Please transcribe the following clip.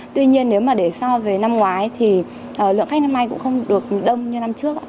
tuy nhiên nếu mà để so với năm ngoái thì lượng khách năm nay cũng không được đông như năm trước